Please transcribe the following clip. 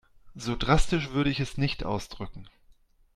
So drastisch würde ich es nicht ausdrücken.